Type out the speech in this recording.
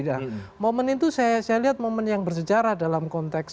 dan momen itu saya lihat momen yang bersejarah dalam konteks